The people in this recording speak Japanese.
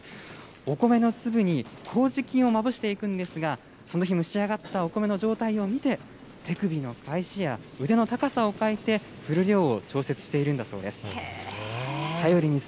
お米の粒にこうじ菌をまぶしていくんですが、その日蒸し上がったお米の状態を見て、手首の返しや腕の高さをかえて、降る量を調節しているんだそうです。